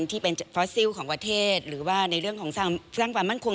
ที่เป็นฟอสซิลของประเทศหรือว่าในเรื่องของสร้างความมั่นคง